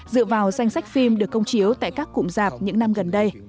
dựa vào danh sách phim được công chiếu tại các cụm giạp những năm gần đây